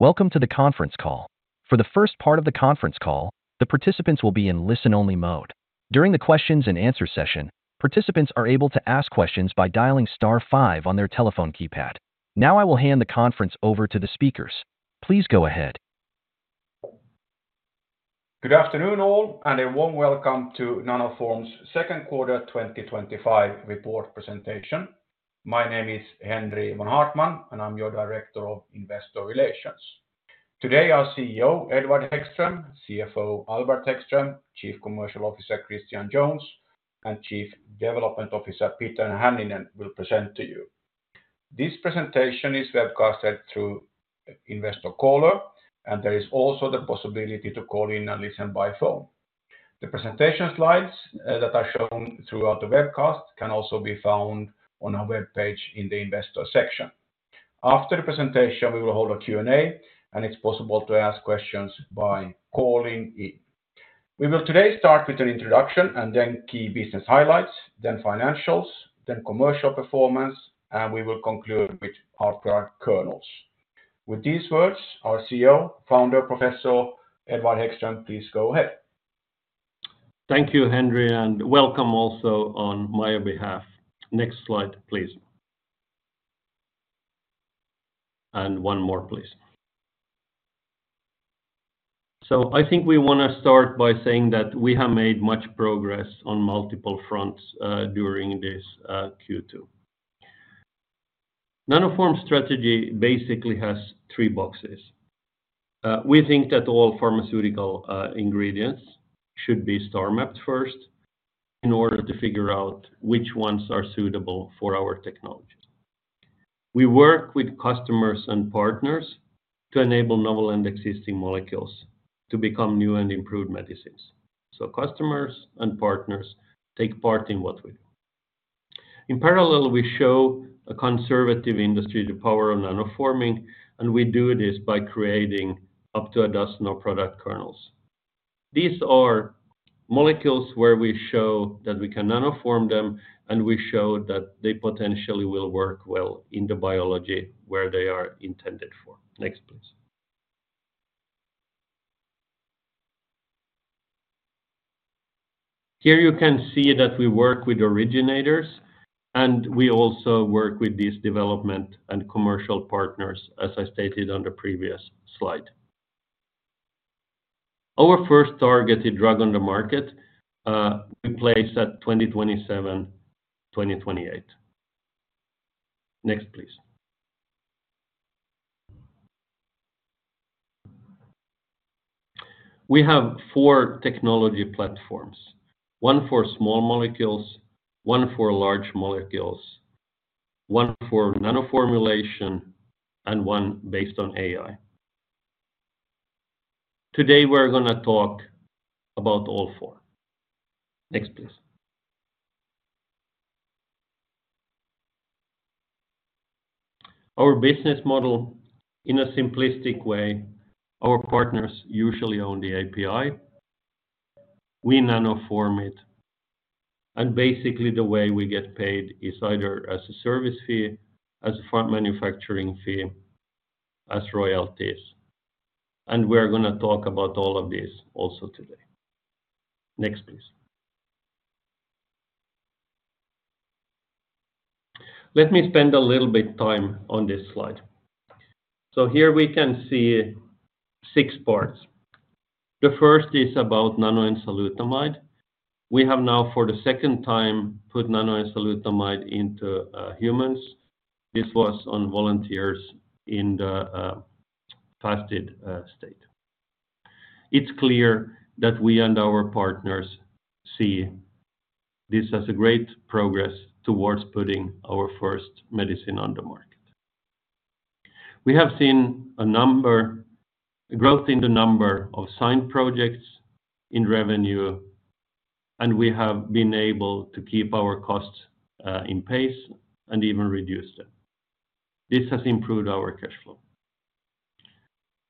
Welcome to the conference call. For the first part of the conference call, the participants will be in listen-only mode. During the questions-and-answers session, participants are able to ask questions by dialing star five on their telephone keypad. Now I will hand the conference over to the speakers. Please go ahead. Good afternoon all, and a warm welcome to Nanoform's Second Quarter 2025 Report Presentation. My name is Henri von Haartman, and I'm your Director of Investor Relations. Today, our CEO, Edward Hæggström, CFO, Albert Hæggström, Chief Commercial Officer, Christian Jones, and Chief Development Officer, Peter Hänninen, will present to you. This presentation is webcasted through Investor Caller, and there is also the possibility to call in and listen by phone. The presentation slides that are shown throughout the webcast can also be found on our web page in the investors section. After the presentation, we will hold a Q&A, and it's possible to ask questions by calling in. We will today start with an introduction and then key business highlights, then financials, then commercial performance, and we will conclude with our product kernels. With these words, our CEO, founder, Professor Edward Hæggström, please go ahead. Thank you, Henri, and welcome also on my behalf. Next slide, please. And one more, please. I think we want to start by saying that we have made much progress on multiple fronts during this Q2. Nanoform's strategy basically has three boxes. We think that all pharmaceutical ingredients should be star-mapped first in order to figure out which ones are suitable for our technology. We work with customers and partners to enable novel and existing molecules to become new and improved medicines. Customers and partners take part in what we do. In parallel, we show a conservative industry the power of nanoforming, and we do this by creating up to a dozen of product kernels. These are molecules where we show that we can nanoform them, and we show that they potentially will work well in the biology where they are intended for. Next, please. Here you can see that we work with originators, and we also work with these development and commercial partners, as I stated on the previous slide. Our first targeted drug on the market, we place at 2027, 2028. Next, please. We have four technology platforms: one for small molecules, one for large molecules, one for nanoformulation, and one based on AI. Today, we're going to talk about all four. Next, please. Our business model, in a simplistic way, our partners usually own the API. We nanoform it, and basically the way we get paid is either as a service fee, as a farm manufacturing fee, as royalties. We're going to talk about all of these also today. Next, please. Let me spend a little bit of time on this slide. Here we can see six parts. The first is about nanoenzalutamide. We have now, for the second time, put nanoenzalutamide into humans. This was on volunteers in the fasted state. It's clear that we and our partners see this as great progress towards putting our first medicine on the market. We have seen growth in the number of signed projects in revenue, and we have been able to keep our costs in pace and even reduce them. This has improved our cash flow.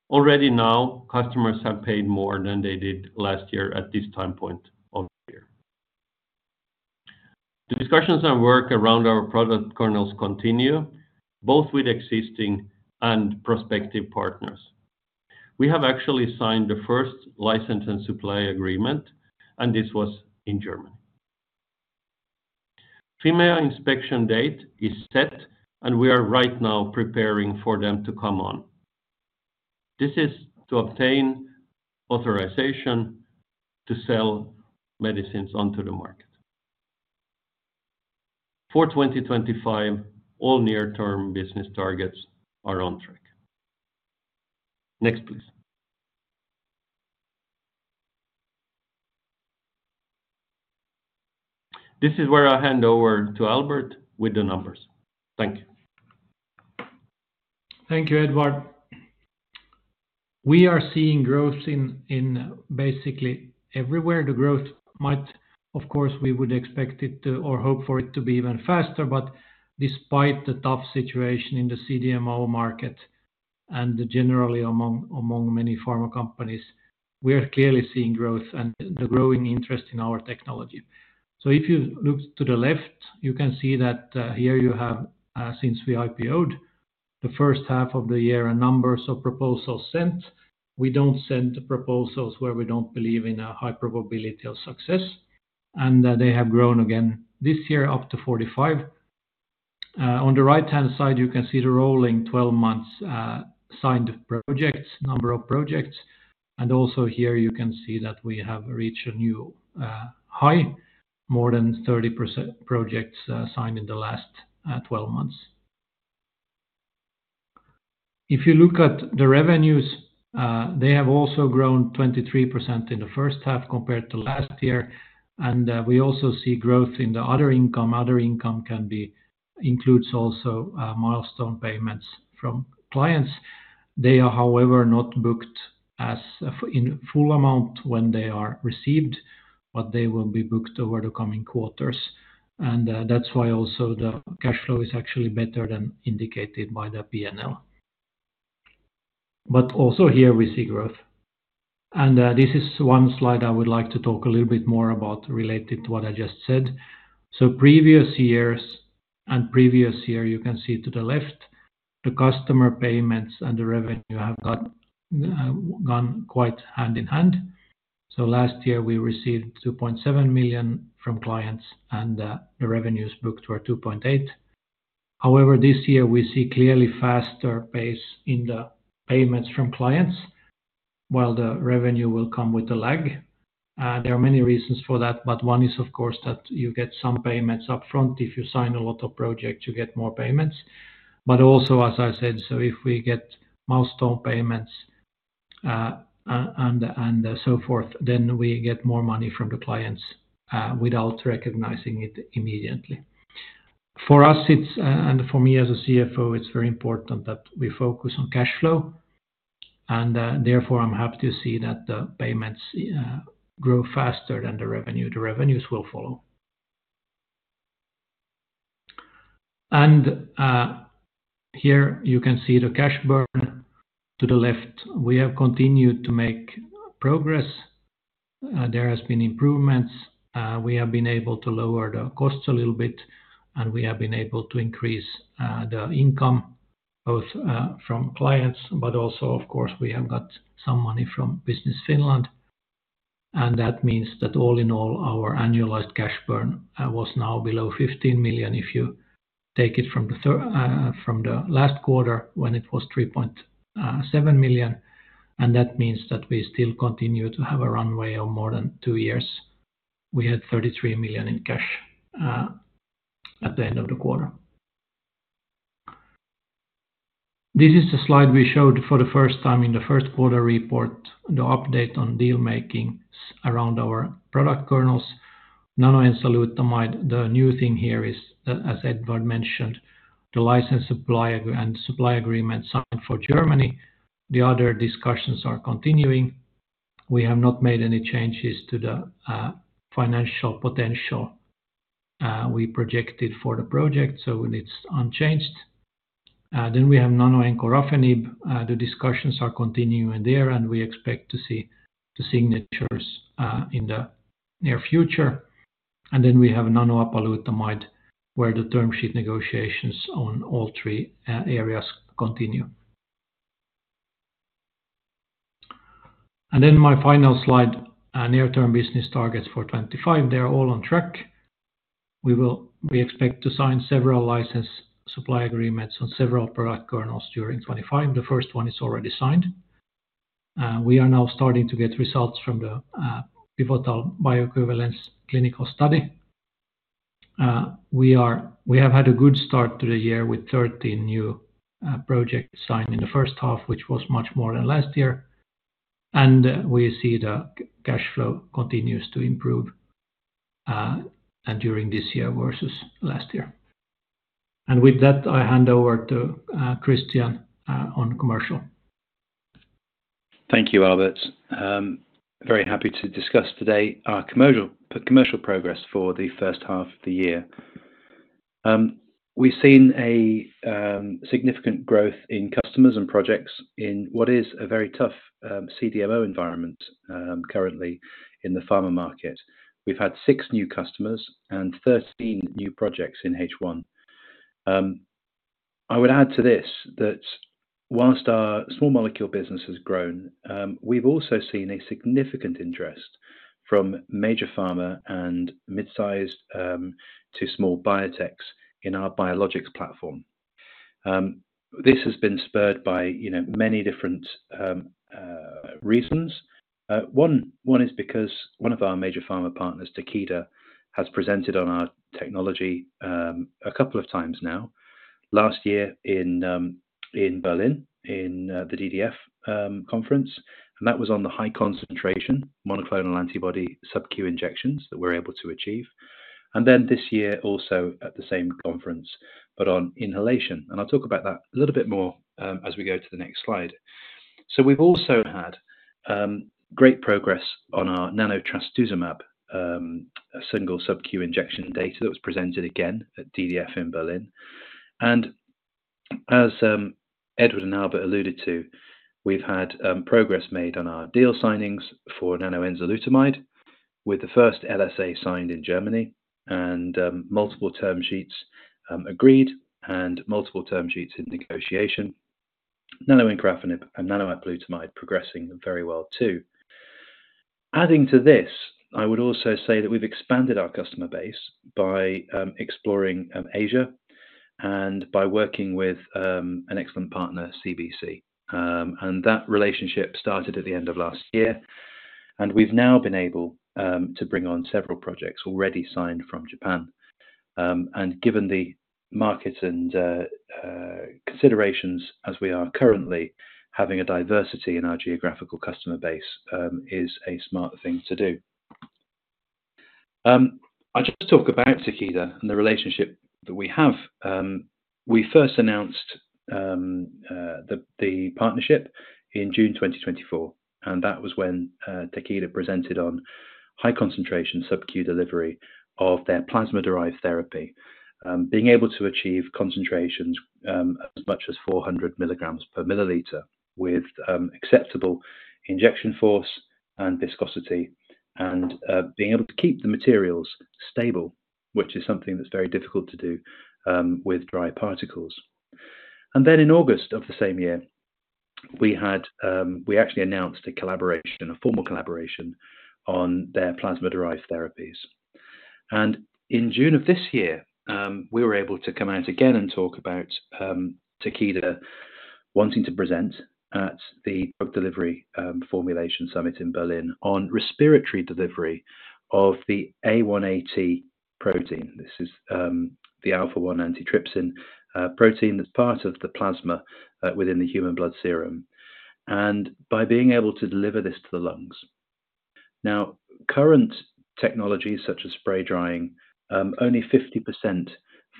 Already now, customers have paid more than they did last year at this time point of the year. The discussions and work around our product kernels continue, both with existing and prospective partners. We have actually signed the first license and supply agreement, and this was in Germany. FIMEA inspection date is set, and we are right now preparing for them to come on. This is to obtain authorization to sell medicines onto the market. For 2025, all near-term business targets are on track. Next, please. This is where I hand over to Albert with the numbers. Thank you. Thank you, Edward. We are seeing growth in basically everywhere. The growth might, of course, we would expect it to or hope for it to be even faster, but despite the tough situation in the CDMO market and generally among many pharma companies, we are clearly seeing growth and the growing interest in our technology. If you look to the left, you can see that here you have, since we IPO'd, the first half of the year and numbers of proposals sent. We don't send the proposals where we don't believe in a high probability of success. They have grown again this year up to 45. On the right-hand side, you can see the rolling 12 months signed projects, number of projects. Also here, you can see that we have reached a new high, more than 30% projects signed in the last 12 months. If you look at the revenues, they have also grown 23% in the first half compared to last year. We also see growth in the other income. Other income can be includes also milestone payments from clients. They are, however, not booked in full amount when they are received, but they will be booked over the coming quarters. That's why also the cash flow is actually better than indicated by the P&L. Also here, we see growth. This is one slide I would like to talk a little bit more about related to what I just said. Previous years and previous year, you can see to the left, the customer payments and the revenue have gone quite hand in hand. Last year, we received 2.7 million from clients, and the revenues booked were 2.8 million. However, this year, we see clearly faster pace in the payments from clients, while the revenue will come with the lag. There are many reasons for that, but one is, of course, that you get some payments upfront. If you sign a lot of projects, you get more payments. Also, as I said, if we get milestone payments and so forth, then we get more money from the clients without recognizing it immediately. For us, it's, and for me as a CFO, it's very important that we focus on cash flow. Therefore, I'm happy to see that the payments grow faster than the revenue. The revenues will follow. Here you can see the cash burn to the left. We have continued to make progress. There have been improvements. We have been able to lower the costs a little bit, and we have been able to increase the income both from clients, but also, of course, we have got some money from Business Finland. That means that all in all, our annualized cash burn was now below 15 million if you take it from the last quarter when it was 3.7 million. That means that we still continue to have a runway of more than two years. We had 33 million in cash at the end of the quarter. This is the slide we showed for the first time in the first quarter report, the update on deal making around our product kernels. Nanoenzalutamide, the new thing here is, as Edward mentioned, the license and supply agreement signed for Germany. The other discussions are continuing. We have not made any changes to the financial potential we projected for the project, so it's unchanged. We have nanoencorafenib. The discussions are continuing there, and we expect to see the signatures in the near future. We have nanoapalutamide where the term sheet negotiations on all three areas continue. My final slide, near-term business targets for 2025. They're all on track. We expect to sign several license supply agreements on several product kernels during 2025. The first one is already signed. We are now starting to get results from the pivotal bioequivalence clinical study. We have had a good start to the year with 13 new projects signed in the first half, which was much more than last year. We see the cash flow continues to improve during this year versus last year. With that, I hand over to Christian on commercial. Thank you, Albert. Very happy to discuss today our commercial progress for the first half of the year. We've seen a significant growth in customers and projects in what is a very tough CDMO environment currently in the pharma market. We've had six new customers and 13 new projects in H1. I would add to this that whilst our small molecule business has grown, we've also seen a significant interest from major pharma and mid-sized to small biotechs in our biologics platform. This has been spurred by many different reasons. One is because one of our major pharma partners, Takeda, has presented on our technology a couple of times now. Last year in Berlin, in the DDF conference, and that was on the high concentration monoclonal antibody subcutaneous injections that we're able to achieve. This year also at the same conference, it was on inhalation. I'll talk about that a little bit more as we go to the next slide. We've also had great progress on our nanotrastuzumab single subcutaneous injection data that was presented again at DDF in Berlin. As Edward and Albert alluded to, we've had progress made on our deal signings for nanoenzalutamide with the first supply agreement signed in Germany and multiple term sheets agreed and multiple term sheets in negotiation. Nanoencorafenib and nanoapalutamide are progressing very well too. Adding to this, I would also say that we've expanded our customer base by exploring Asia and by working with an excellent partner, CBC. That relationship started at the end of last year. We've now been able to bring on several projects already signed from Japan. Given the markets and considerations, as we are currently having a diversity in our geographical customer base, it is a smart thing to do. I'd like to talk about Takeda and the relationship that we have. We first announced the partnership in June 2024, and that was when Takeda presented on high concentration subcutaneous delivery of their plasma-derived therapy, being able to achieve concentrations as much as 400 mg per mL with acceptable injection force and viscosity, and being able to keep the materials stable, which is something that's very difficult to do with dry particles. In August of the same year, we actually announced a formal collaboration on their plasma-derived therapies. In June of this year, we were able to come out again and talk about Takeda wanting to present at the Drug Delivery Formulation Summit in Berlin on respiratory delivery of the A1AT protein. This is the alpha-1 antitrypsin protein that's part of the plasma within the human blood serum. By being able to deliver this to the lungs, current technologies such as spray drying, only 50%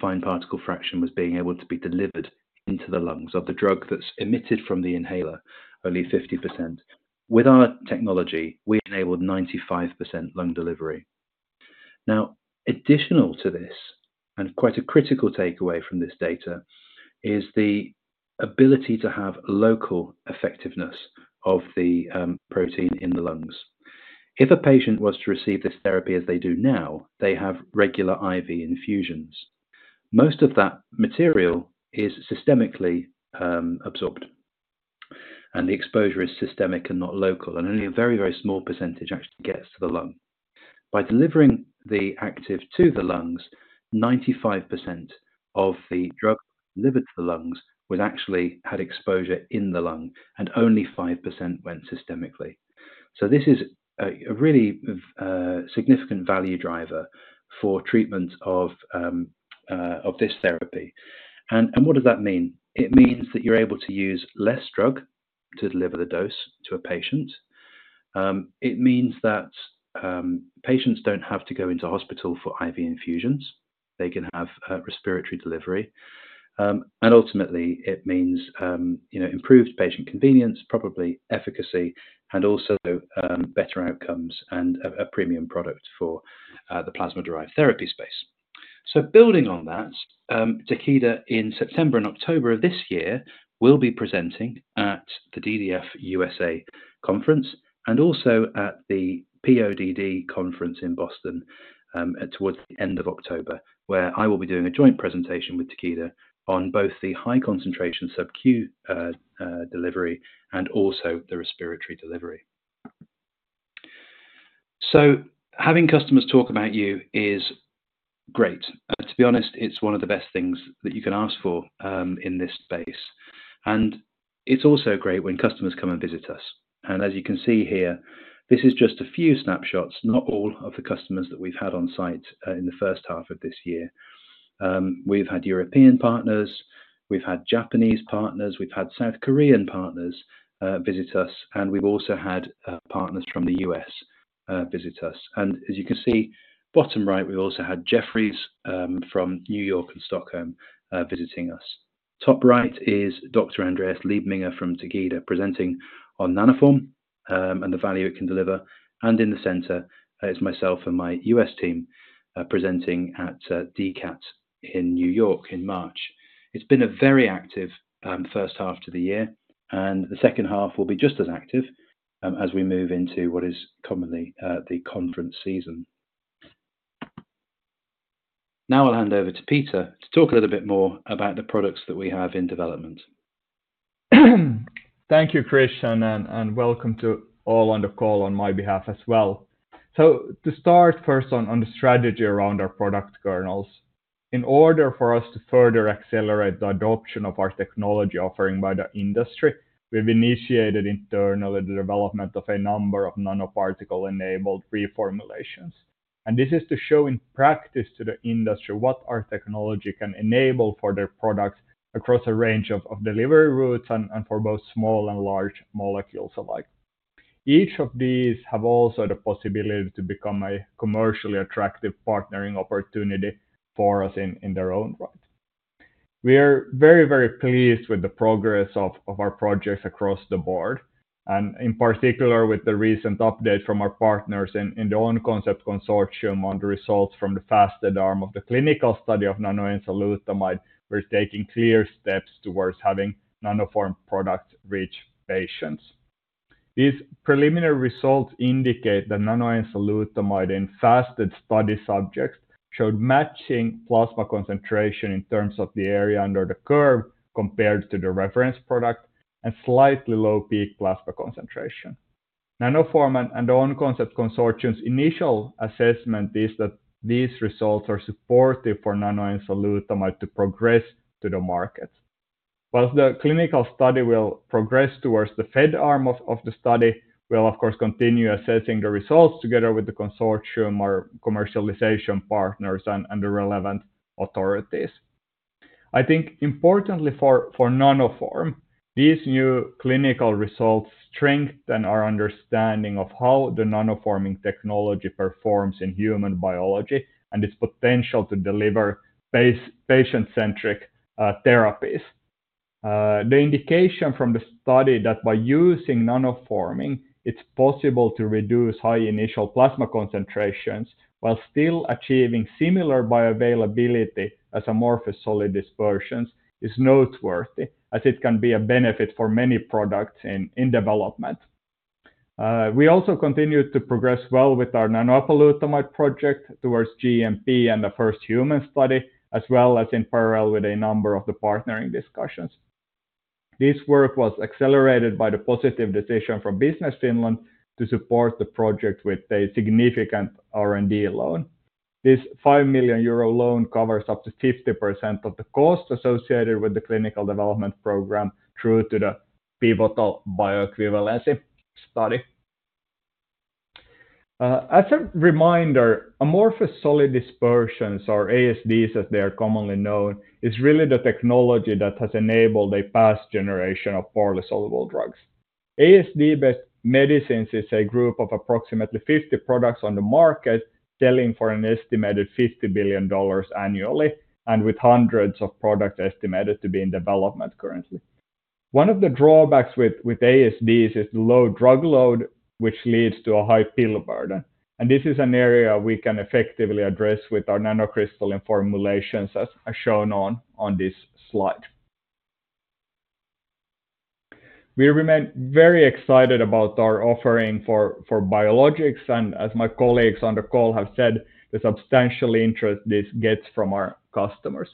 fine particle fraction was being able to be delivered into the lungs of the drug that's emitted from the inhaler, only 50%. With our technology, we enabled 95% lung delivery. Additional to this, and quite a critical takeaway from this data, is the ability to have local effectiveness of the protein in the lungs. If a patient was to receive this therapy as they do now, they have regular IV infusions. Most of that material is systemically absorbed, and the exposure is systemic and not local, and only a very, very small percentage actually gets to the lung. By delivering the active to the lungs, 95% of the drug delivered to the lungs would actually have exposure in the lung, and only 5% went systemically. This is a really significant value driver for treatment of this therapy. What does that mean? It means that you're able to use less drug to deliver the dose to a patient. It means that patients don't have to go into hospital for IV infusions. They can have respiratory delivery. Ultimately, it means improved patient convenience, probably efficacy, and also better outcomes and a premium product for the plasma-derived therapy space. Building on that, Takeda in September and October of this year will be presenting at the DDF USA conference and also at the PODD conference in Boston towards the end of October, where I will be doing a joint presentation with Takeda on both the high concentration subcutaneous delivery and also the respiratory delivery. Having customers talk about you is great. To be honest, it's one of the best things that you can ask for in this space. It's also great when customers come and visit us. As you can see here, this is just a few snapshots, not all of the customers that we've had on site in the first half of this year. We've had European partners, we've had Japanese partners, we've had South Korean partners visit us, and we've also had partners from the U.S. visit us. As you can see, bottom right, we've also had Jefferies from New York and Stockholm visiting us. Top right is Dr. Andreas Liebminger from Takeda presenting on Nanoform and the value it can deliver. In the center is myself and my U.S. team presenting at DCAT in New York in March. It has been a very active first half to the year, and the second half will be just as active as we move into what is commonly the conference season. Now I'll hand over to Peter to talk a little bit more about the products that we have in development. Thank you, Christian, and welcome to all on the call on my behalf as well. To start first on the strategy around our product kernels, in order for us to further accelerate the adoption of our technology offering by the industry, we've initiated internally the development of a number of nanoparticle-enabled reformulations. This is to show in practice to the industry what our technology can enable for their products across a range of delivery routes and for both small and large molecules alike. Each of these have also the possibility to become a commercially attractive partnering opportunity for us in their own world. We are very, very pleased with the progress of our projects across the board, and in particular with the recent updates from our partners in the ONConcept consortium on the results from the fasted arm of the clinical study of nanoenzalutamide, we're taking clear steps towards having Nanoform products reach patients. These preliminary results indicate that nanoenzalutamide in fasted study subjects showed matching plasma concentration in terms of the area under the curve compared to the reference product and slightly low peak plasma concentration. Nanoform and the ONConcept consortium's initial assessment is that these results are supportive for nanoenzalutamide to progress to the market. While the clinical study will progress towards the fed arm of the study, we'll, of course, continue assessing the results together with the consortium or commercialization partners and the relevant authorities. I think importantly for Nanoform, these new clinical results strengthen our understanding of how the nanoforming technology performs in human biology and its potential to deliver patient-centric therapies. The indication from the study is that by using nanoforming, it's possible to reduce high initial plasma concentrations while still achieving similar bioavailability as amorphous solid dispersions is noteworthy as it can be a benefit for many products in development. We also continue to progress well with our nanoenzalutamide project towards GMP and the first human study, as well as in parallel with a number of the partnering discussions. This work was accelerated by the positive decision from Business Finland to support the project with a significant R&D loan. This 5 million euro loan covers up to 50% of the cost associated with the clinical development program through to the pivotal bioequivalence study. As a reminder, amorphous solid dispersions, or ASDs as they are commonly known, is really the technology that has enabled a past generation of poorly soluble drugs. ASD-based medicines is a group of approximately 50 products on the market, selling for an estimated $50 billion annually, and with hundreds of products estimated to be in development currently. One of the drawbacks with ASDs is the low drug load, which leads to a high pill burden. This is an area we can effectively address with our nanocrystalline formulations as shown on this slide. We remain very excited about our offering for biologics, and as my colleagues on the call have said, the substantial interest this gets from our customers.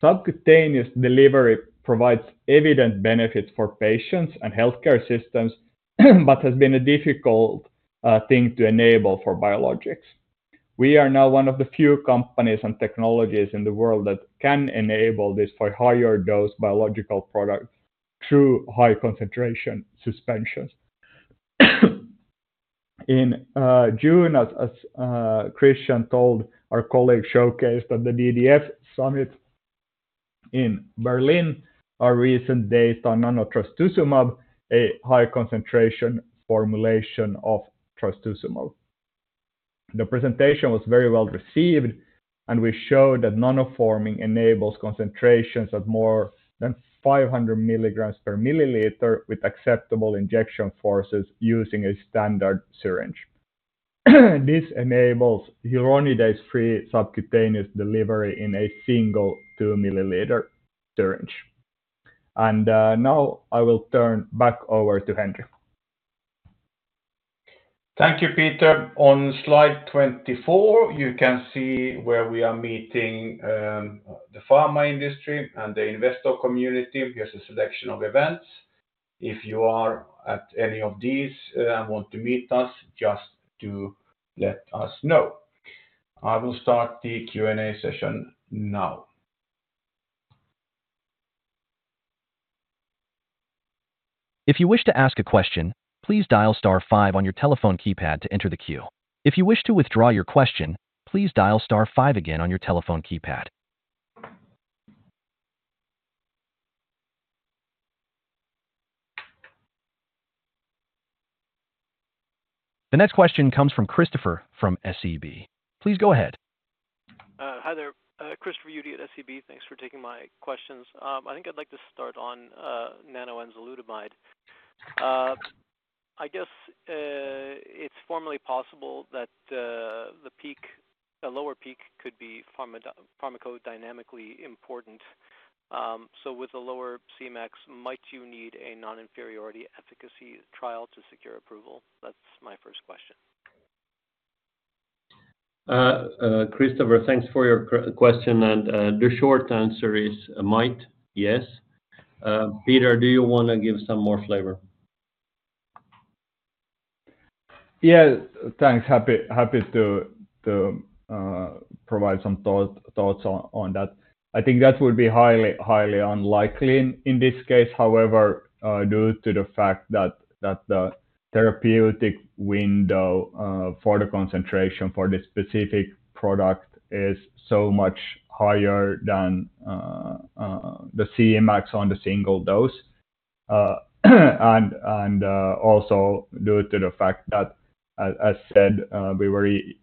Subcutaneous delivery provides evident benefits for patients and healthcare systems, but has been a difficult thing to enable for biologics. We are now one of the few companies and technologies in the world that can enable this for higher dose biological products through high concentration suspensions. In June, as Christian told, our colleagues showcased at the DDF Summit in Berlin our recent data on nanotrastuzumab, a high concentration formulation of trastuzumab. The presentation was very well received, and we showed that nanoforming enables concentrations of more than 500 mg per mL with acceptable injection forces using a standard syringe. This enables uronidase-free subcutaneous delivery in a single 2 mL syringe. Now I will turn back over to Henri. Thank you, Peter. On slide 24, you can see where we are meeting the pharma industry and the investor community. Here's a selection of events. If you are at any of these and want to meet us, just let us know. I will start the Q&A session now. If you wish to ask a question, please dial star five on your telephone keypad to enter the queue. If you wish to withdraw your question, please dial star five again on your telephone keypad. The next question comes from Christopher from SEB. Please go ahead. Hi there. Christopher Uhde at SEB. Thanks for taking my questions. I think I'd like to start on nanoenzalutamide. I guess it's formally possible that the lower peak could be pharmacodynamically important. With a lower Cmax, might you need a non-inferiority efficacy trial to secure approval? That's my first question. Christopher, thanks for your question. The short answer is might, yes. Peter, do you want to give some more flavor? Yeah. Thanks. Happy to provide some thoughts on that. I think that would be highly unlikely in this case, due to the fact that the therapeutic window for the concentration for this specific product is so much higher than the Cmax on the single dose, and also due to the fact that, as said, we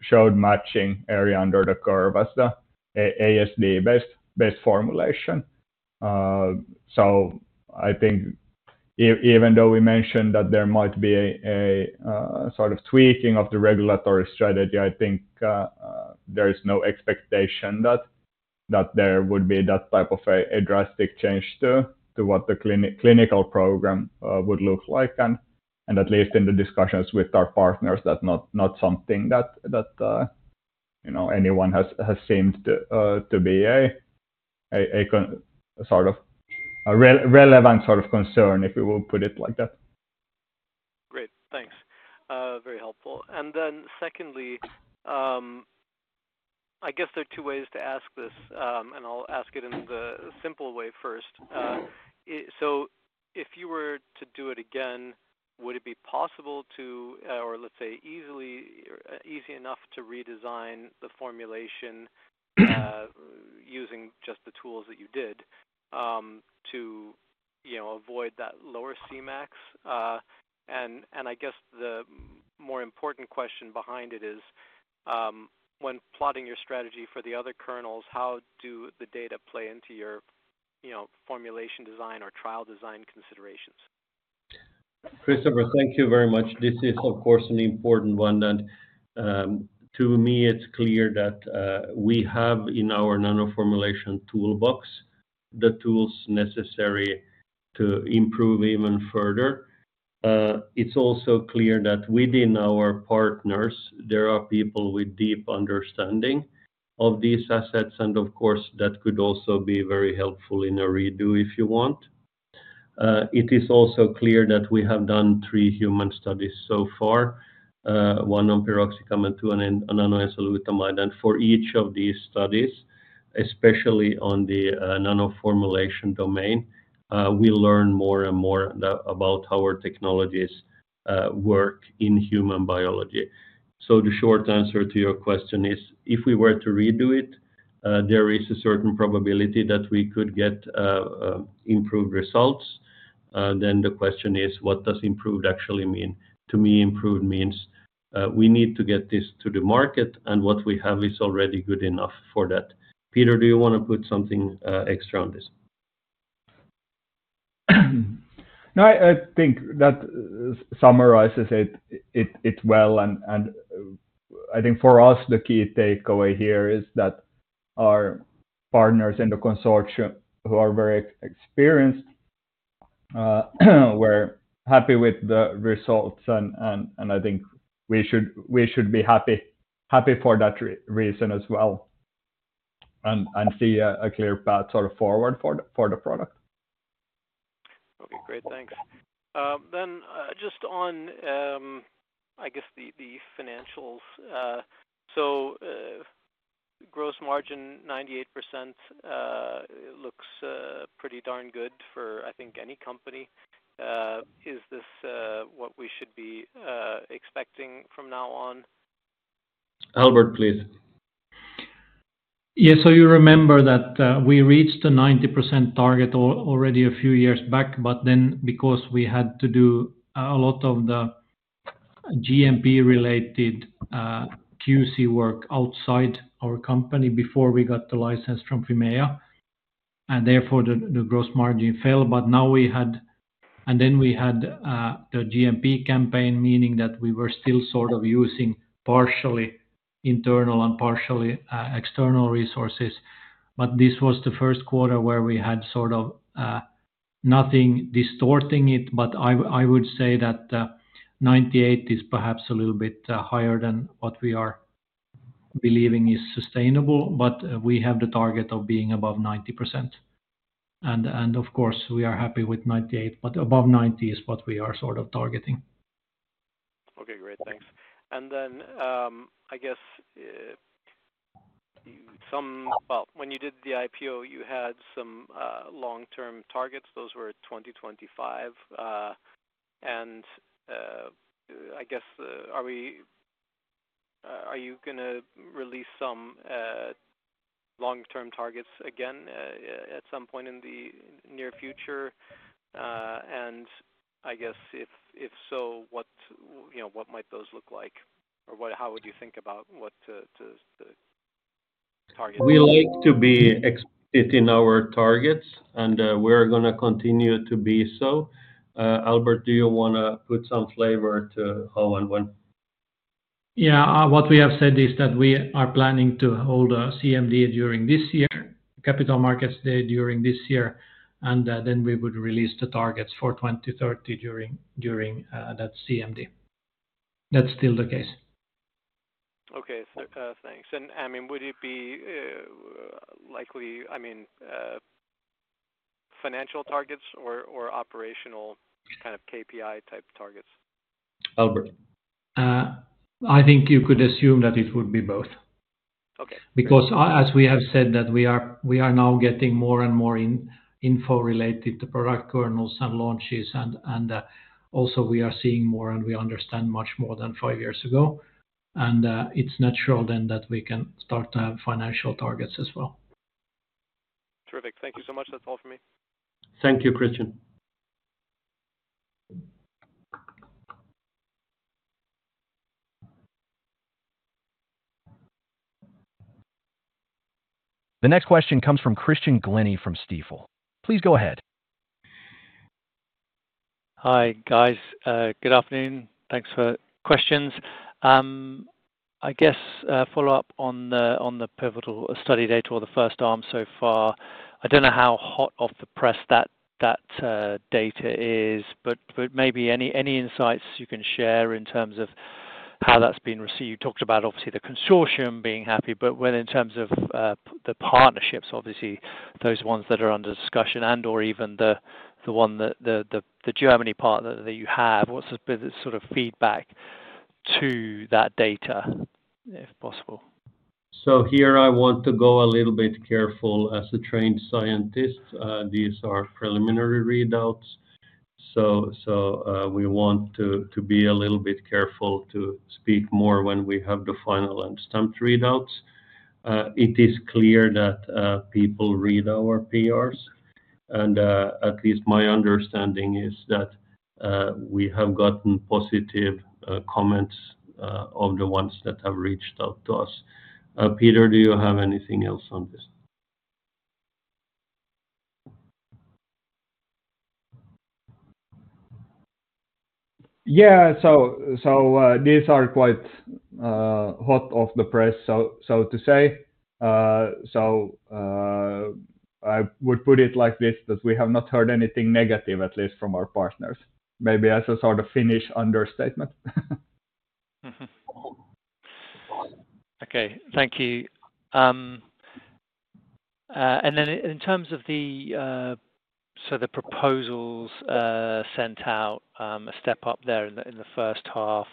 showed matching area under the curve as the ASD-based formulation. I think even though we mentioned that there might be a sort of tweaking of the regulatory strategy, there is no expectation that there would be that type of a drastic change to what the clinical program would look like. At least in the discussions with our partners, that's not something that anyone has seemed to be a sort of relevant sort of concern, if we will put it like that. Great. Thanks. Very helpful. There are two ways to ask this, and I'll ask it in the simple way first. If you were to do it again, would it be possible to, or let's say easy enough to redesign the formulation using just the tools that you did to avoid that lower Cmax? The more important question behind it is, when plotting your strategy for the other kernels, how do the data play into your formulation design or trial design considerations? Christopher, thank you very much. This is, of course, an important one. To me, it's clear that we have in our nanoformulation toolbox the tools necessary to improve even further. It's also clear that within our partners, there are people with deep understanding of these assets. That could also be very helpful in a redo, if you want. It is also clear that we have done three human studies so far, one on piroxicam and two on nanoenzalutamide. For each of these studies, especially on the nanoformulation domain, we learn more and more about how our technologies work in human biology. The short answer to your question is, if we were to redo it, there is a certain probability that we could get improved results. The question is, what does improved actually mean? To me, improved means we need to get this to the market, and what we have is already good enough for that. Peter, do you want to put something extra on this? No, I think that summarizes it well. I think for us, the key takeaway here is that our partners in the consortium, who are very experienced, were happy with the results. I think we should be happy for that reason as well and see a clear path forward for the product. Okay, great. Thanks. Just on, I guess, the financials. The gross margin, 98%, looks pretty darn good for, I think, any company. Is this what we should be expecting from now on? You remember that we reached a 90% target already a few years back, but then because we had to do a lot of the GMP-related QC work outside our company before we got the license from FIMEA, the gross margin fell. We had the GMP campaign, meaning that we were still sort of using partially internal and partially external resources. This was the first quarter where we had sort of nothing distorting it. I would say that 98% is perhaps a little bit higher than what we are believing is sustainable, but we have the target of being above 90%. Of course, we are happy with 98%, but above 90% is what we are sort of targeting. Okay, great. Thanks. When you did the IPO, you had some long-term targets. Those were 2025. Are you going to release some long-term targets again at some point in the near future? If so, what might those look like? How would you think about what to target? We like to be within our targets, and we're going to continue to be so. Albert, do you want to put some flavor to all in one? Yeah. What we have said is that we are planning to hold a Capital Markets Day during this year, and then we would release the targets for 2030 during that CMD. That's still the case. Okay. Thanks. Would it be likely, financial targets or operational kind of KPI type targets? I think you could assume that it would be both. Okay, because as we have said that we are now getting more and more info related to product kernels and launches, and also we are seeing more and we understand much more than five years ago. It's natural then that we can start to have financial targets as well. Terrific. Thank you so much. That's all for me. Thank you, Christian. The next question comes from Christian Glennie from Stifel. Please go ahead. Hi, guys. Good afternoon. Thanks for the questions. I guess a follow-up on the pivotal study data or the first arm so far. I don't know how hot off the press that data is, but maybe any insights you can share in terms of how that's been received. You talked about obviously the consortium being happy, but in terms of the partnerships, obviously those ones that are under discussion and/or even the one that the Germany partner that you have, what's the sort of feedback to that data, if possible? Here I want to go a little bit careful as a trained scientist. These are preliminary readouts. We want to be a little bit careful to speak more when we have the final and stamped readouts. It is clear that people read our PRs, and at least my understanding is that we have gotten positive comments of the ones that have reached out to us. Peter, do you have anything else on this? Yeah. These are quite hot off the press, so to say. I would put it like this that we have not heard anything negative, at least from our partners, maybe as a sort of Finnish understatement. Okay. Thank you. In terms of the sort of proposals sent out, a step up there in the first half,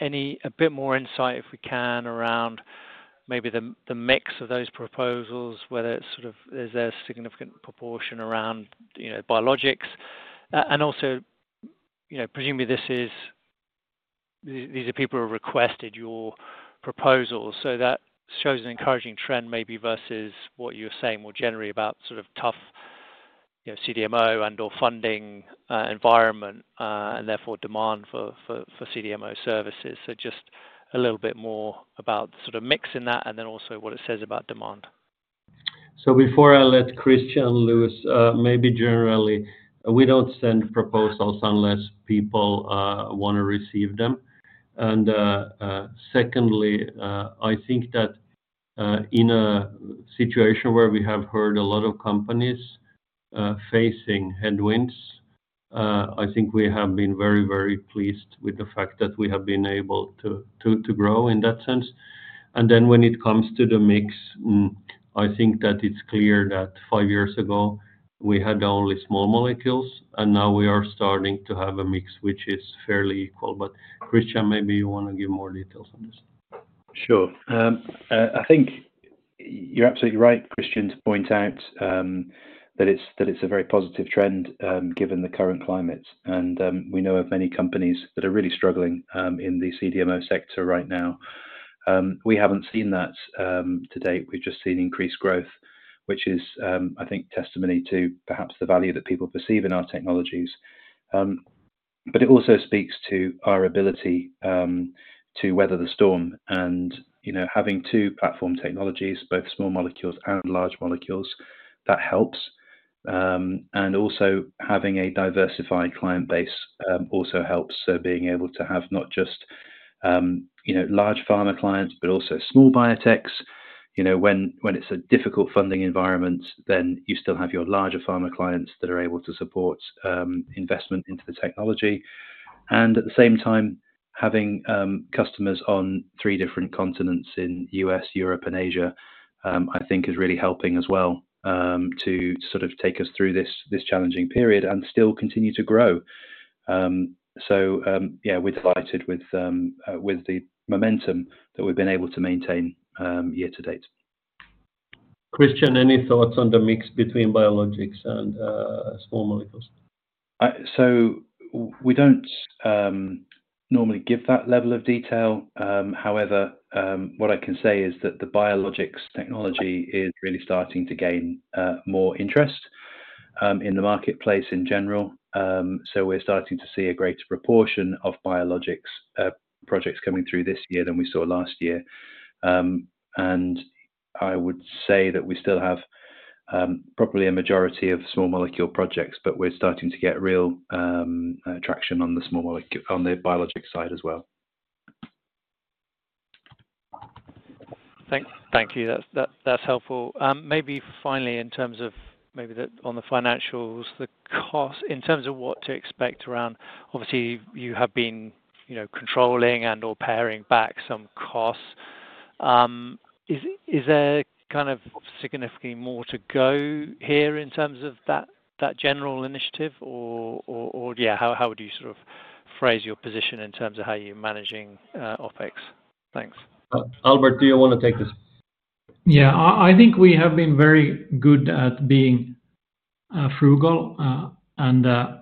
any a bit more insight if we can around maybe the mix of those proposals, whether it's sort of there's a significant proportion around biologics. Also, you know, presumably these are people who have requested your proposals. That shows an encouraging trend maybe versus what you're saying more generally about sort of tough CDMO and/or funding environment and therefore demand for CDMO services. Just a little bit more about mixing that and then also what it says about demand. Before I let Christian lose, generally, we don't send proposals unless people want to receive them. Secondly, in a situation where we have heard a lot of companies facing headwinds, we have been very, very pleased with the fact that we have been able to grow in that sense. When it comes to the mix, it's clear that five years ago, we had only small molecules, and now we are starting to have a mix which is fairly equal. Christian, maybe you want to give more details on this. Sure. I think you're absolutely right, Christian, to point out that it's a very positive trend given the current climate. We know of many companies that are really struggling in the CDMO sector right now. We haven't seen that to date. We've just seen increased growth, which is, I think, testimony to perhaps the value that people perceive in our technologies. It also speaks to our ability to weather the storm. Having two platform technologies, both small molecules and large molecules, helps. Also, having a diversified client base helps. Being able to have not just large pharma clients, but also small biotechs, is important. When it's a difficult funding environment, you still have your larger pharma clients that are able to support investment into the technology. At the same time, having customers on three different continents in the U.S., Europe, and Asia, I think is really helping as well to sort of take us through this challenging period and still continue to grow. We're delighted with the momentum that we've been able to maintain year to date. Christian, any thoughts on the mix between biologics and small molecules? We don't normally give that level of detail. However, what I can say is that the biologics technology is really starting to gain more interest in the marketplace in general. We're starting to see a greater proportion of biologics projects coming through this year than we saw last year. I would say that we still have probably a majority of small molecule projects, but we're starting to get real traction on the small molecule, on the biologics side as well. Thank you. That's helpful. Maybe finally, in terms of the financials, the cost in terms of what to expect around, obviously, you have been controlling and/or paring back some costs. Is there significantly more to go here in terms of that general initiative? How would you sort of phrase your position in terms of how you're managing OpEx? Thanks. Albert, do you want to take this? Yeah. I think we have been very good at being frugal.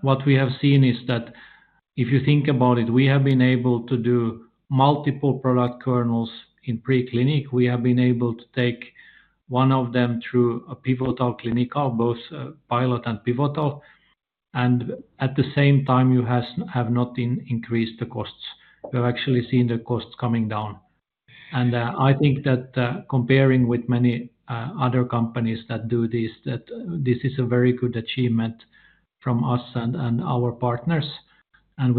What we have seen is that if you think about it, we have been able to do multiple product kernels in pre-clinic. We have been able to take one of them through a pivotal clinical, both pilot and pivotal. At the same time, you have not increased the costs. We have actually seen the costs coming down. I think that comparing with many other companies that do this, this is a very good achievement from us and our partners.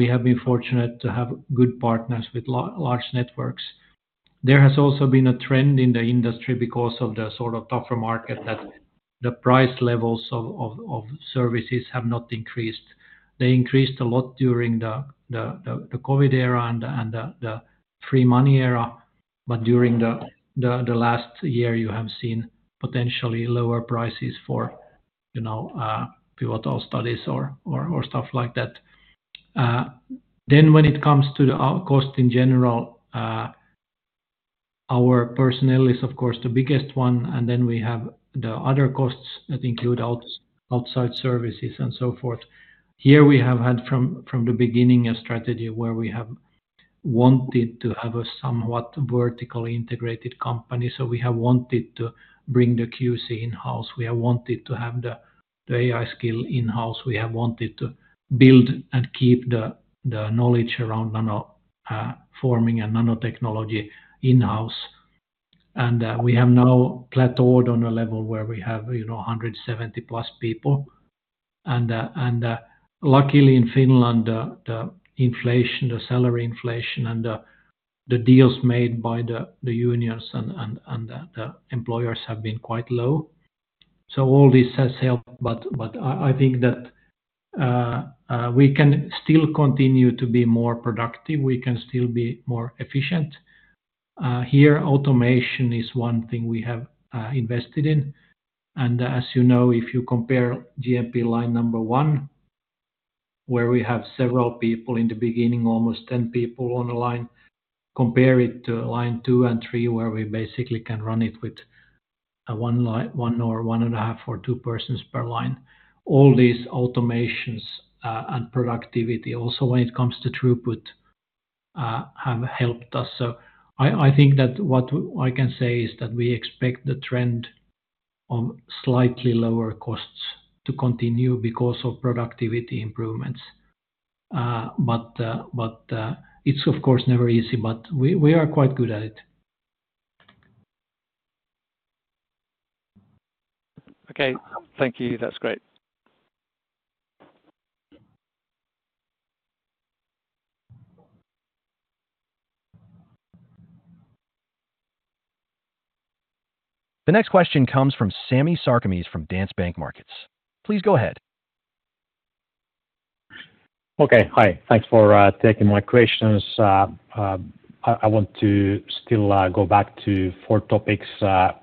We have been fortunate to have good partners with large networks. There has also been a trend in the industry because of the sort of tougher market that the price levels of services have not increased. They increased a lot during the COVID era and the free money era. During the last year, you have seen potentially lower prices for, you know, pivotal studies or stuff like that. When it comes to the cost in general, our personnel is, of course, the biggest one. Then we have the other costs that include outside services and so forth. Here we have had from the beginning a strategy where we have wanted to have a somewhat vertically integrated company. We have wanted to bring the QC in-house. We have wanted to have the AI skill in-house. We have wanted to build and keep the knowledge around nanoforming and nanotechnology in-house. We have now plateaued on a level where we have, you know, 170+ people. Luckily, in Finland, the inflation, the salary inflation, and the deals made by the unions and the employers have been quite low. All this has helped. I think that we can still continue to be more productive. We can still be more efficient. Here, automation is one thing we have invested in. As you know, if you compare GMP line number one, where we have several people in the beginning, almost 10 people on a line, compare it to line two and three, where we basically can run it with one or one and a half or two persons per line. All these automations and productivity, also when it comes to throughput, have helped us. I think that what I can say is that we expect the trend of slightly lower costs to continue because of productivity improvements. It's, of course, never easy, but we are quite good at it. Okay. Thank you. That's great. The next question comes from Sami Sarkamies from Danske Bank Markets. Please go ahead. Okay. Hi. Thanks for taking my questions. I want to still go back to four topics.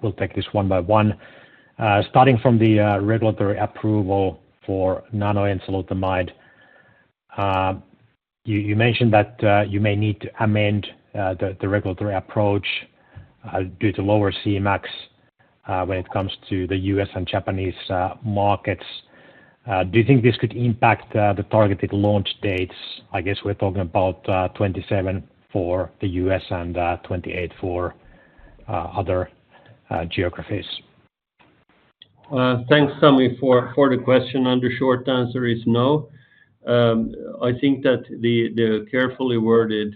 We'll take this one by one. Starting from the regulatory approval for nanoenzalutamide, you mentioned that you may need to amend the regulatory approach due to lower Cmax when it comes to the U.S. and Japanese markets. Do you think this could impact the targeted launch dates? I guess we're talking about 2027 for the U.S. and 2028 for other geographies. Thanks, Sami, for the question. The short answer is no. I think that the carefully worded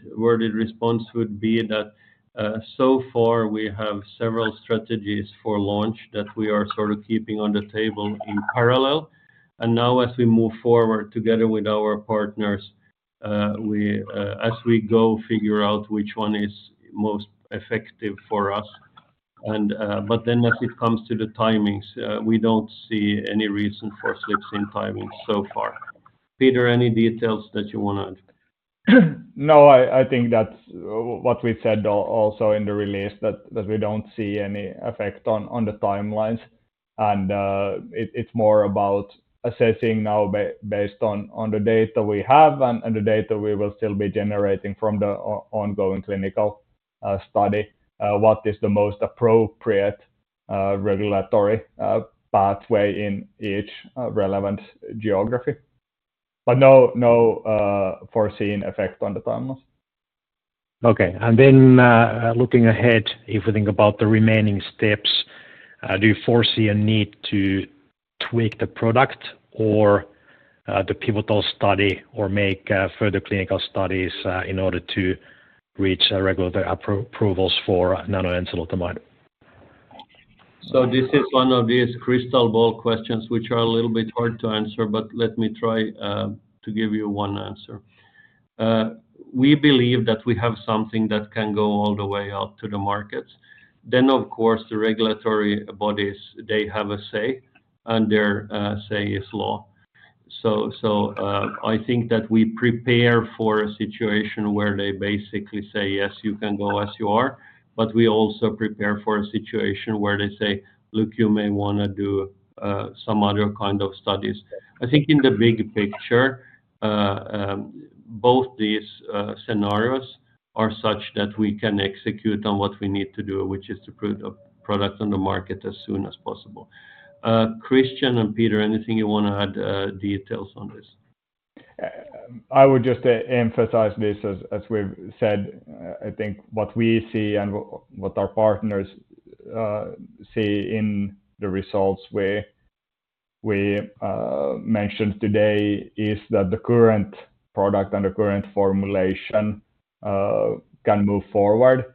response would be that so far, we have several strategies for launch that we are keeping on the table in parallel. As we move forward together with our partners, we will figure out which one is most effective for us. As it comes to the timings, we don't see any reason for fixing timings so far. Peter, any details that you want to add? No, I think that's what we said also in the release, that we don't see any effect on the timelines. It's more about assessing now based on the data we have and the data we will still be generating from the ongoing clinical study, what is the most appropriate regulatory pathway in each relevant geography. No foreseen effect on the timelines. Okay. Looking ahead, if we think about the remaining steps, do you foresee a need to tweak the product or the pivotal study or make further clinical studies in order to reach regulatory approvals for nanoenzalutamide? This is one of these crystal ball questions which are a little bit hard to answer, but let me try to give you one answer. We believe that we have something that can go all the way out to the markets. Of course, the regulatory bodies, they have a say, and their say is law. I think that we prepare for a situation where they basically say, "Yes, you can go as you are." We also prepare for a situation where they say, "Look, you may want to do some other kind of studies." I think in the big picture, both these scenarios are such that we can execute on what we need to do, which is to put a product on the market as soon as possible. Christian and Peter, anything you want to add, details on this? I would just emphasize this, as we've said, I think what we see and what our partners see in the results we mentioned today is that the current product and the current formulation can move forward.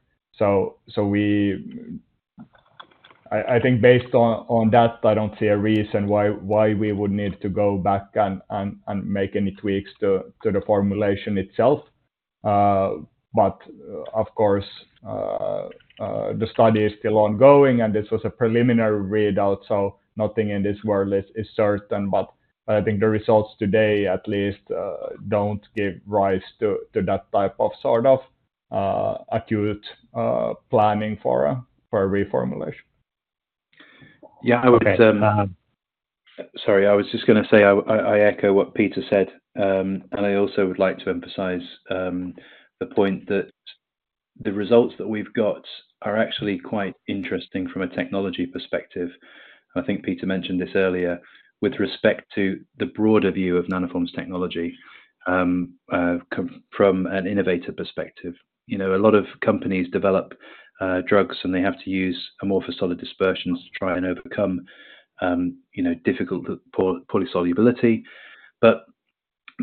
I think based on that, I don't see a reason why we would need to go back and make any tweaks to the formulation itself. Of course, the study is still ongoing, and this was a preliminary readout, so nothing in this world is certain. I think the results today, at least, don't give rise to that type of sort of acute planning for a reformulation. Yeah, I would. I echo what Peter said. I also would like to emphasize the point that the results that we've got are actually quite interesting from a technology perspective. I think Peter mentioned this earlier with respect to the broader view of Nanoform's technology from an innovative perspective. You know, a lot of companies develop drugs and they have to use amorphous solid dispersions to try and overcome difficult polysolubility.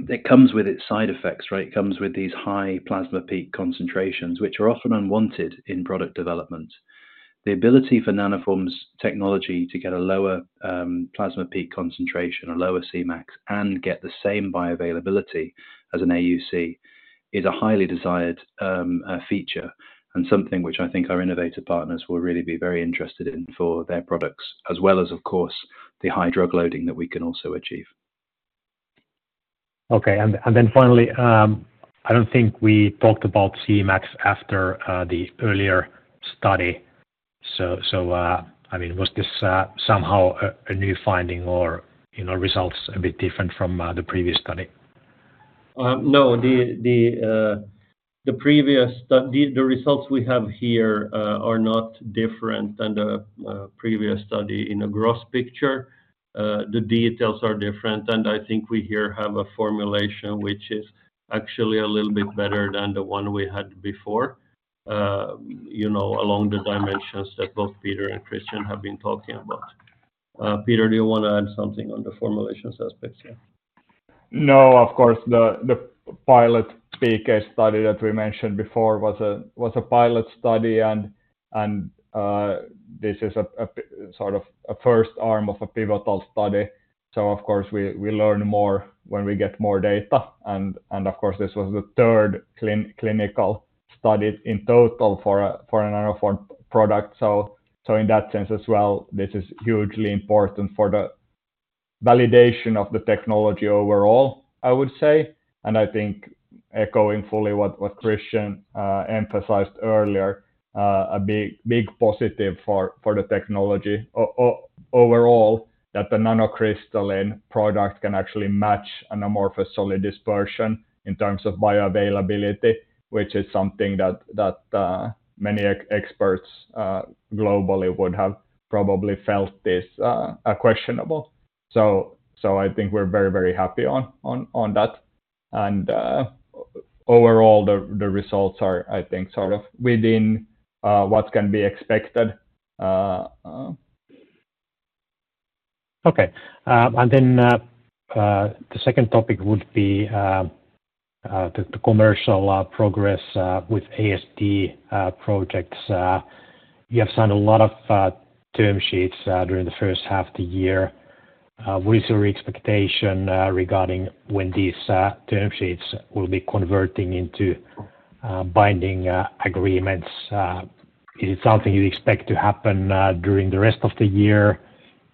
It comes with its side effects, right? It comes with these high plasma peak concentrations, which are often unwanted in product development. The ability for Nanoform's technology to get a lower plasma peak concentration, a lower Cmax, and get the same bioavailability as an AUC is a highly desired feature and something which I think our innovative partners will really be very interested in for their products, as well as, of course, the high drug loading that we can also achieve. I don't think we talked about Cmax after the earlier study. I mean, was this somehow a new finding or results a bit different from the previous study? No, the results we have here are not different than the previous study. In a gross picture, the details are different. I think we here have a formulation which is actually a little bit better than the one we had before, you know, along the dimensions that both Peter and Christian have been talking about. Peter, do you want to add something on the formulation aspects here? No, of course. The pilot speakers study that we mentioned before was a pilot study, and this is a sort of a first arm of a pivotal study. Of course, we learn more when we get more data. This was the third clinical study in total for a Nanoform product. In that sense as well, this is hugely important for the validation of the technology overall, I would say. I think echoing fully what Christian emphasized earlier, a big positive for the technology overall is that the nanocrystalline product can actually match an amorphous solid dispersion in terms of bioavailability, which is something that many experts globally would have probably felt is questionable. I think we're very, very happy on that. Overall, the results are, I think, sort of within what can be expected. Okay. The second topic would be the commercial progress with ASD projects. You have signed a lot of term sheets during the first half of the year. What is your expectation regarding when these term sheets will be converting into binding agreements? Is it something you expect to happen during the rest of the year?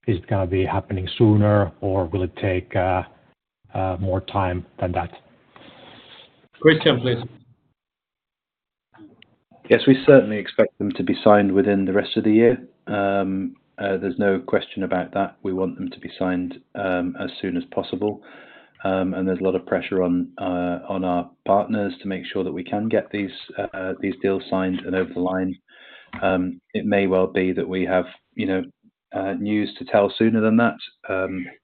Is it going to be happening sooner, or will it take more time than that? Christian, please. Yes, we certainly expect them to be signed within the rest of the year. There's no question about that. We want them to be signed as soon as possible. There's a lot of pressure on our partners to make sure that we can get these deals signed and over the line. It may well be that we have news to tell sooner than that,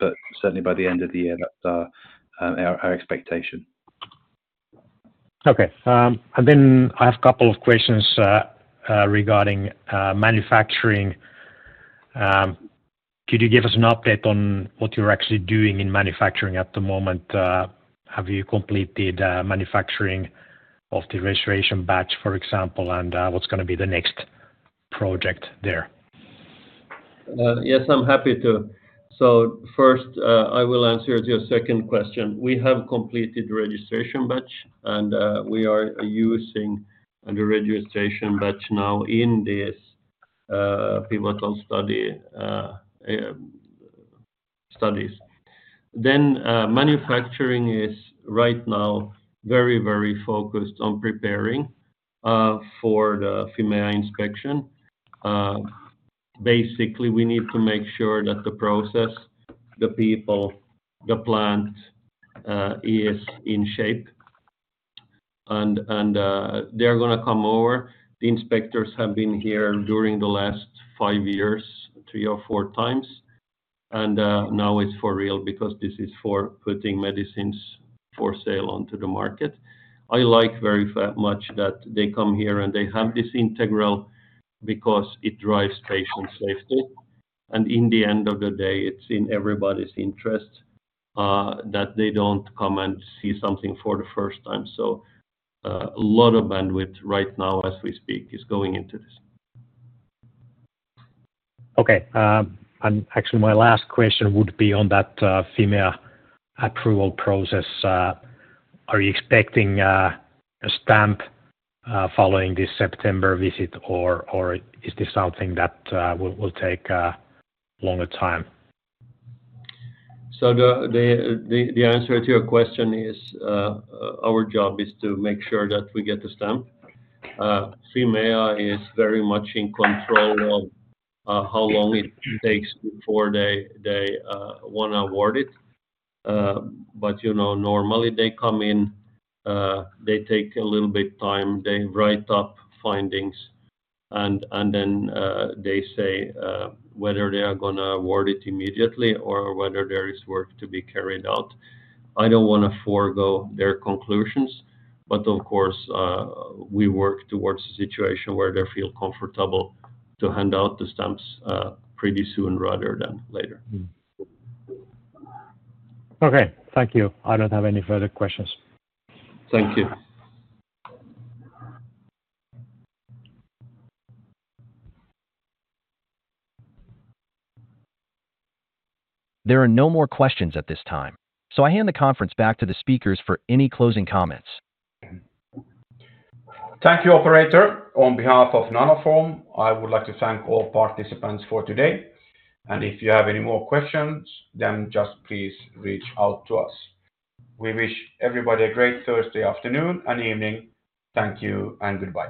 but certainly by the end of the year, that's our expectation. Okay. I have a couple of questions regarding manufacturing. Could you give us an update on what you're actually doing in manufacturing at the moment? Have you completed manufacturing of the registration batch, for example, and what's going to be the next project there? Yes, I'm happy to. First, I will answer your second question. We have completed the registration batch, and we are using the registration batch now in this pivotal study studies. Manufacturing is right now very, very focused on preparing for the FIMEA inspection. Basically, we need to make sure that the process, the people, the plant is in shape. They're going to come over. The inspectors have been here during the last five years, three or four times. Now it's for real because this is for putting medicines for sale onto the market. I like very much that they come here and they have this integral because it drives patient safety. In the end of the day, it's in everybody's interest that they don't come and see something for the first time. A lot of bandwidth right now as we speak is going into this. Okay. My last question would be on that FIMEA approval process. Are you expecting a stamp following this September visit, or is this something that will take a longer time? The answer to your question is our job is to make sure that we get the stamp. FIMEA is very much in control of how long it takes before they want to award it. Normally they come in, they take a little bit of time, they write up findings, and then they say whether they are going to award it immediately or whether there is work to be carried out. I don't want to forego their conclusions. Of course, we work towards a situation where they feel comfortable to hand out the stamps pretty soon rather than later. Okay. Thank you. I don't have any further questions. Thank you. There are no more questions at this time. I hand the conference back to the speakers for any closing comments. Thank you, operator. On behalf of Nanoform, I would like to thank all participants for today. If you have any more questions, just please reach out to us. We wish everybody a great Thursday afternoon and evening. Thank you and goodbye.